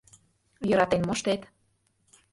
Йöратен моштет.